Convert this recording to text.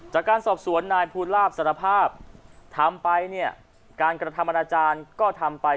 จากการสอบสวนนายภูลาภสารภาพทำไปเนี่ยการกระทำอนาจารย์ก็ทำไป